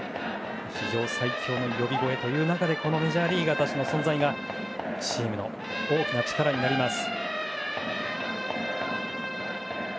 史上最強の呼び声という中でメジャーリーガーたちの存在がチームの大きな力になります。